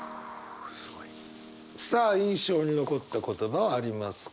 すごい。さあ印象に残った言葉はありますか？